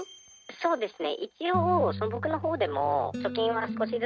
☎そうですね。